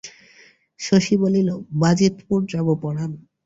শশী বলিল, বাজিতপুর যাব পরাণ।